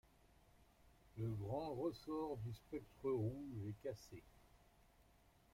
Le grand ressort du spectre rouge est cassé.